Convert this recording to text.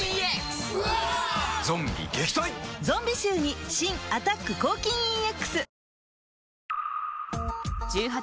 ゾンビ臭に新「アタック抗菌ＥＸ」